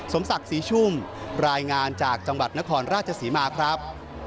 สมศักดิ์ศรีชุ่มรายงานจากจังหวัดนครราชศรีมาครับ